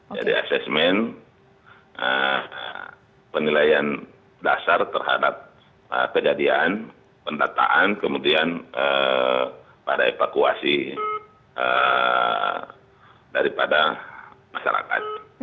jadi asesmen penilaian dasar terhadap kejadian pendataan kemudian pada evakuasi daripada masyarakat